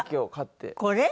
これ？